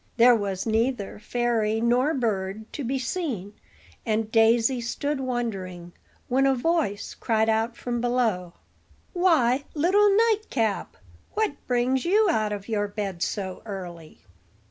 There was neither fairy nor bird to be seen; and Daisy stood wondering, when a voice cried out from below: "Why, little nightcap, what brings you out of your bed so early?"